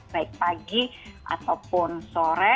baik pagi ataupun sore